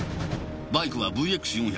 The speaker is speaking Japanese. バイクはＶＸ４００。